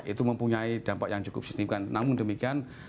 itu mempunyai dampak yang cukup signifikan namun demikian